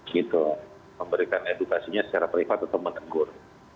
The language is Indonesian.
gitu memberikan edukasinya secara privat atau menegur